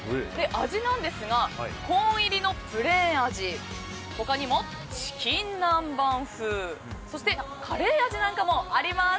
味なんですがコーン入りのプレーン味チキン南蛮風そしてカレー味なんかもあります。